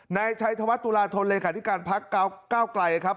ในชัยธวัฒน์ตุลาทนเลยค่ะที่การภักดิ์เก้าไกลครับ